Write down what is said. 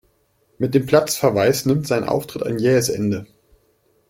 Mit dem Platzverweis nimmt sein Auftritt ein jähes Ende.